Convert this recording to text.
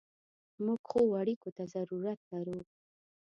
موږ ښو اړیکو ته ضرورت لرو.